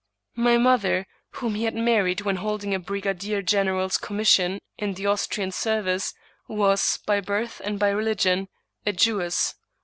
My mother, whom he had married when holding a brigadier general's commission in the Austrian service, was, by birth and by religion, a Jewess.